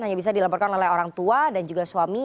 hanya bisa dilaporkan oleh orang tua dan juga suami